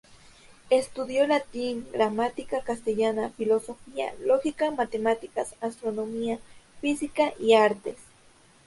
Estudió latín, gramática castellana, filosofía, lógica, matemáticas, astronomía, física y artes.